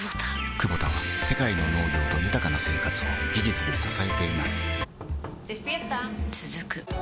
クボタは世界の農業と豊かな生活を技術で支えています起きて。